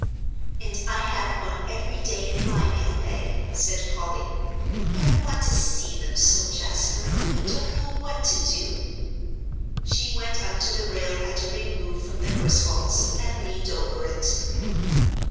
"And I have one every day in my mail bag," said Polly, "but I want to see them so, Jasper, I don't know what to do." She went up to the rail at a remove from the Griswolds and leaned over it.